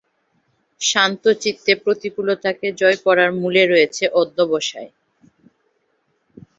শান্তচিত্তে প্রতিকূলতাকে জয় করার মূলে রয়েছে অধ্যবসায়।